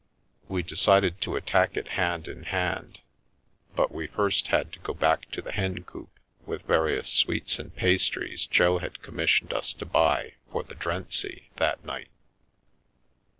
We decided to attack it hand in hand, but we first had to go back to the Hencoop with various sweets and pastries Jo had commissioned us to buy for the drency that night.